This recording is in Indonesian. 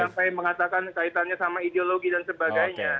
yang tadi sampai mengatakan kaitannya sama ideologi dan sebagainya